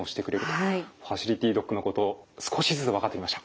ファシリティドッグのこと少しずつ分かってきました。